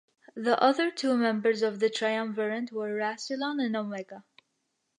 The other two members of the Triumvirate were Rassilon and Omega.